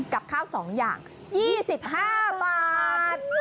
กับข้าว๒อย่าง๒๕บาท